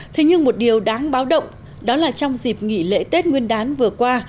thế nhưng một điều đáng báo động đó là trong dịp nghỉ lễ tết nguyên đán vừa qua